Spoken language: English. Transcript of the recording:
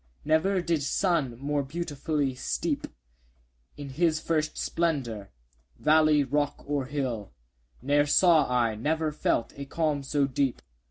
Never did sun more beautifully steep In his first splendour valley, rock, or hill; 10 Ne'er saw I, never felt, a calm so deep!